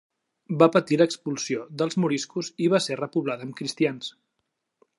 Va patir l'expulsió dels moriscos i va ser repoblada amb cristians.